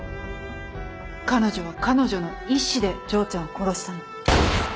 彼女は彼女の意志で丈ちゃんを殺したの。